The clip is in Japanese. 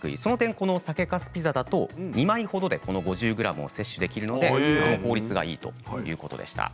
この酒かすピザですと２枚ほどで５０ｇ摂取できるので効率がよいということでした。